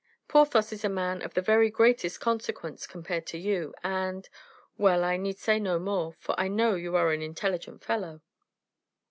Porthos is a man of the very greatest consequence compared to you, and... well, I need say no more, for I know you are an intelligent fellow."